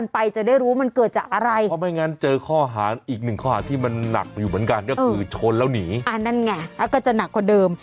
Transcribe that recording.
เพราะไม่งั้นเจอข้อหาอีกหนึ่งข้อหาที่มันหนักอยู่เหมือนกันก็คือชนแล้วหนีอ่านั่นไงแล้วก็จะหนักกว่าเดิม